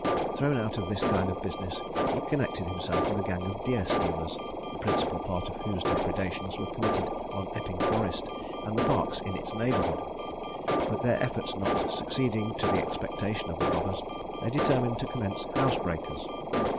Thrown out of this kind of business, he connected himself with a gang of deer stealers, the principal part of whose depredations were committed on Epping Forest, and the parks in its neighbourhood: but their efforts not succeeding to the expectation of the robbers, they determined to commence housebreakers.